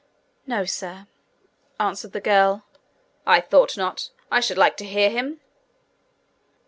'No, sir,' answered the girl. 'I thought not! I should like to hear him!'